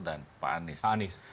dan pak anies